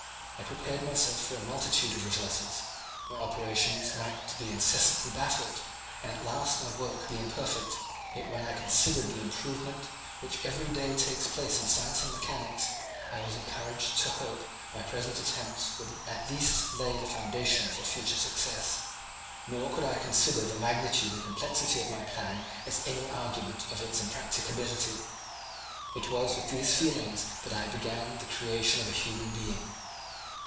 I prepared myself for a multitude of reverses; my operations might be incessantly baffled, and at last my work be imperfect, yet when I considered the improvement which every day takes place in science and mechanics, I was encouraged to hope my present attempts would at least lay the foundations of future success. Nor could I consider the magnitude and complexity of my plan as any argument of its impracticability. It was with these feelings that I began the creation of a human being.